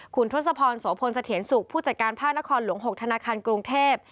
คุณทศพรสโภนย์สเถียนศุกร์ผู้จัดการภาคละครหลวง๖ธนาคารกรุงเทพฯ